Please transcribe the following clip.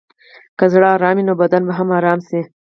که زړه ارام وي، نو بدن به هم ارام شي.